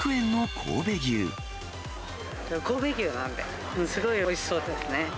神戸牛なんで、すごいおいしそうですね。